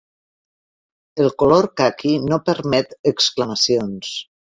El color caqui no permet exclamacions.